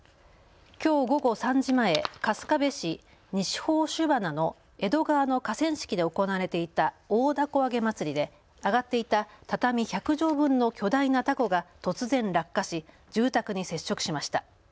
きょう午後３時前、春日部市西宝珠花の江戸川の河川敷で行われていた大凧あげ祭りで揚がっていた畳１００畳分の巨大なたこが突然、落下し住宅に接触しました。